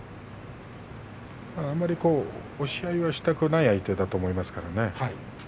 あまり押し合いはしたくない相手だと思いますからね。